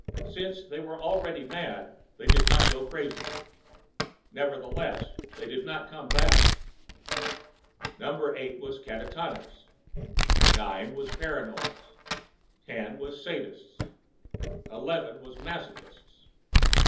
Since they were already mad, they did not go crazy. Nevertheless, they did not come back. Number Eight was catatonics. Nine was paranoids. Ten was sadists. Eleven was masochists.